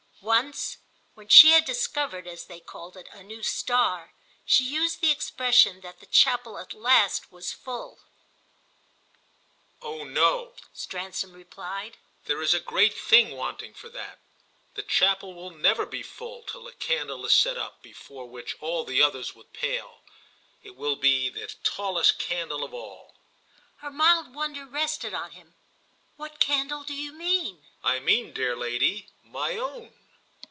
Once when she had discovered, as they called it, a new star, she used the expression that the chapel at last was full. "Oh no," Stransom replied, "there is a great thing wanting for that! The chapel will never be full till a candle is set up before which all the others will pale. It will be the tallest candle of all." Her mild wonder rested on him. "What candle do you mean?" "I mean, dear lady, my own."